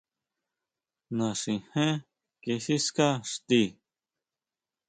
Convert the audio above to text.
Naxijén kí siská xti.